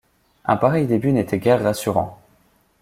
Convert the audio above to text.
Un pareil début n'était guère rassurant.